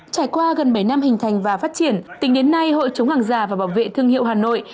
trải qua gần bảy năm hình thành và phát triển tính đến nay hội chống hàng giả và bảo vệ thương hiệu hà nội